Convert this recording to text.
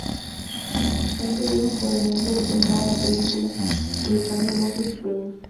Juntas viajan por el mundo presentando la película, cosechando elogios y premios.